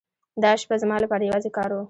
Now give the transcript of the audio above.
دا شپه زما لپاره یوازې کار و.